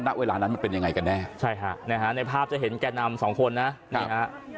ณเวลานั้นมันเป็นยังไงกันแน่ใช่ฮะนะฮะในภาพจะเห็นแก่นำสองคนนะนี่ฮะ